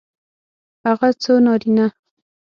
هغه څو نارینه